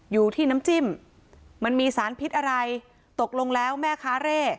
อยู่ที่น้ำจิ้มมันมีสารพิษอะไรตกลงแล้วแม่ค้าเร่